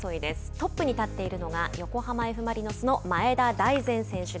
トップに立っているのが横浜Ｆ・マリノスの前田大然選手。